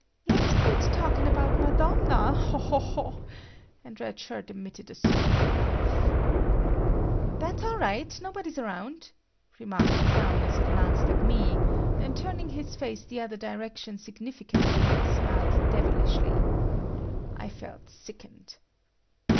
"Let's quit talking about Madonna, ho, ho, ho," and Red Shirt emitted a spooky laugh. "That's all right. Nobody's around," remarked Clown as he glanced at me, and turning his face to other direction significantly, smiled devilishly. I felt sickened.